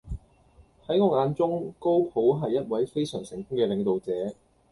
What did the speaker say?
喺我眼中，高普係一位非常成功嘅領導者